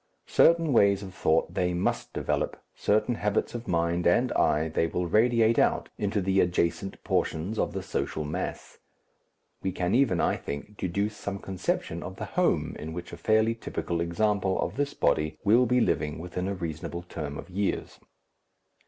Certain ways of thought they must develop, certain habits of mind and eye they will radiate out into the adjacent portions of the social mass. We can even, I think, deduce some conception of the home in which a fairly typical example of this body will be living within a reasonable term of years.